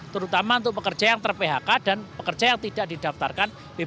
terutama untuk pekerja yang ter phk dan pekerja yang tidak didaftarkan bpjs dan aga kerjaan